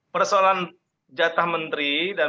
persoalan jatah menteri dan